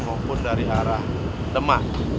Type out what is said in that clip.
maupun dari arah demak